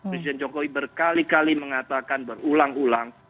presiden jokowi berkali kali mengatakan berulang ulang